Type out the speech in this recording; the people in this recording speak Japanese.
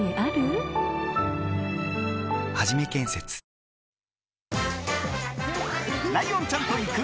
ライオンちゃんと行く！